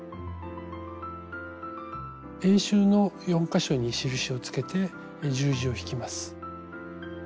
円周の４か所に印をつけて十字を引きます。